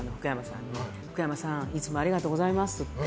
福山さんいつもありがとうございますって。